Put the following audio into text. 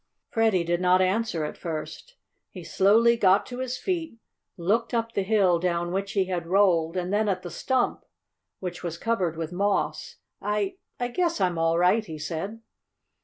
Freddie did not answer at first. He slowly got to his feet, looked up the hill down which he had rolled, and then at the stump, which was covered with moss. "I I guess I'm all right," he said.